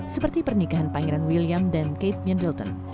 seperti pernikahan pangeran william dan kate middleton